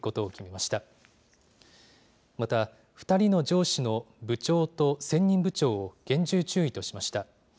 また、２人の上司の部長と専任部長を厳重注意としました。